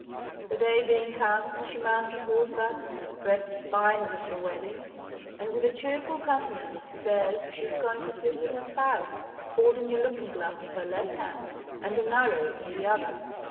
The day being come, she mounts on horseback, dressed as fine as at her wedding, and with a cheerful countenance says she is going to sleep with her spouse, holding a looking glass in her left hand and an arrow in the other.